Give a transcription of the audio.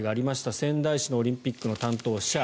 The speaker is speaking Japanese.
仙台市のオリンピックの担当者